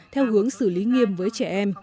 theo hướng xử lý nghiêm với trẻ em